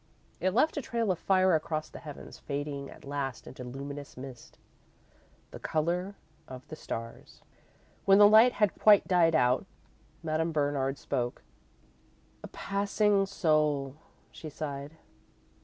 It left a trail of fire across the heavens, fading at last into luminous mist, the colour of the stars. When the light had quite died out, Madame Bernard spoke. "A passing soul," she sighed.